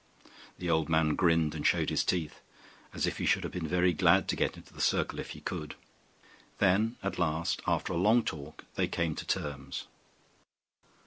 The old man grinned, and showed his teeth, as if he should have been very glad to get into the circle if he could. Then at last, after a long talk, they came to terms.